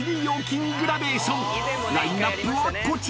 ［ラインアップはこちら］